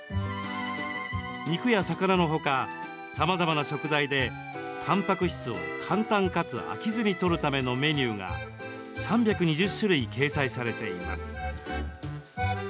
肉や魚のほか、さまざまな食材でたんぱく質を簡単かつ飽きずにとるためのメニューが３２０種類掲載されています。